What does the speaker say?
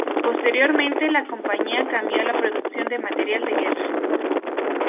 Posteriormente, la compañía cambió a la producción de material de guerra.